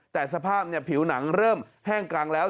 แต่สภาพผิวหนังเริ่มแห้งกลางแล้ว